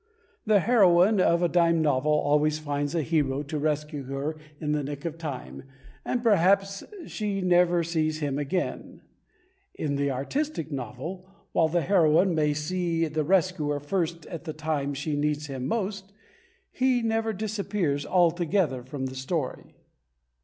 The heroine of a dime novel always finds a hero to rescue her in the nick of time, and perhaps she never sees him again. In the artistic novel, while the heroine may see the rescuer first at the time she needs him most, he never disappears altogether from the story.